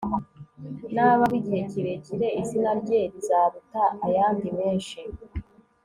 nabaho igihe kirekire, izina rye rizaruta ayandi menshi